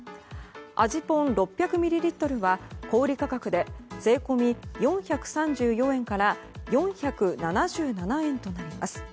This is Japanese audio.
味ぽん６００ｍｌは小売価格で税込み４３４円から４７７円となります。